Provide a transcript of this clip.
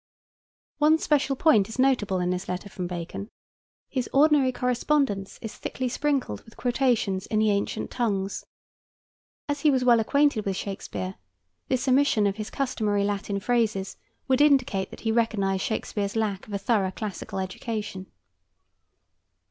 One special point is notable in this letter from Bacon. His ordinary correspondence is thickly sprinkled with quotations in the ancient tongues. As he was well acquainted with Shakespeare, this omission of his customary Latin phrases would indicate that he recognized Shakespeare's lack of a thorough classical education.